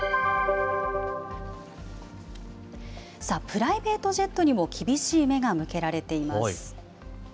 プライベートジェットにも厳しい目が向けられています。